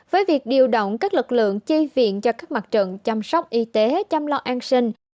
với việc điều động các lực lượng chi viện cho các mặt trận chăm sóc y tế chăm lo an sinh